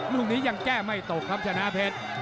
ลูกนี้ยังแก้ไม่ตกครับชนะเพชร